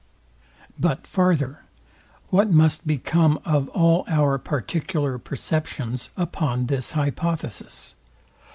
But farther, what must become of all our particular perceptions upon this hypothesis?